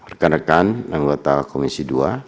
rekan rekan anggota komisi dua